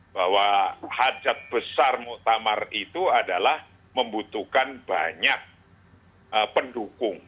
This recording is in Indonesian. bahwa hajat besar muktamar itu adalah membutuhkan banyak pendukung